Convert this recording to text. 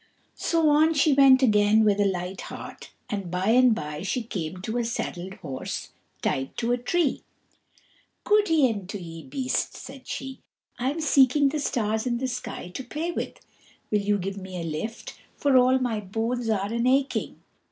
So on she went again with a light heart, and by and by she came to a saddled horse, tied to a tree. "Goode'en to ye, Beast," said she; "I'm seeking the stars in the sky to play with. Will you give me a lift, for all my bones are an aching."